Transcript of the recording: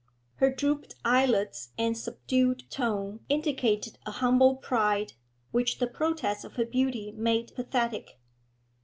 Her drooped eyelids and subdued tone indicated a humble pride, which the protest of her beauty made pathetic.